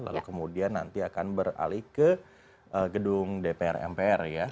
lalu kemudian nanti akan beralih ke gedung dpr mpr ya